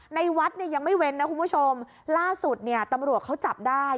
ในวัดยังไม่เว้นล่าสุดตำรวจเขาจับได้